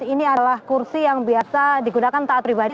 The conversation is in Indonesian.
ini adalah kursi yang biasa digunakan taat pribadi